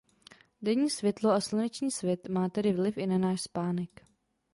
Denní světlo a sluneční svit má tedy vliv i na náš spánek.